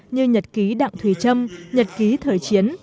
như nhật ký đặng thùy trâm nhật ký thời chiến